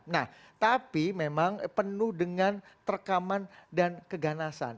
nah tapi memang penuh dengan rekaman dan keganasan